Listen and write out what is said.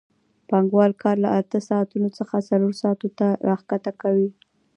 پانګوال کار له اته ساعتونو څخه څلور ساعتونو ته راښکته کوي